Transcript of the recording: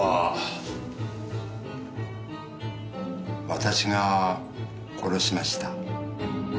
私が殺しました。